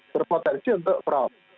berpotensi untuk fraud